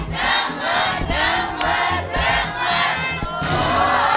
ค่อยค่อย